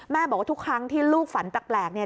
บอกว่าทุกครั้งที่ลูกฝันแปลกเนี่ย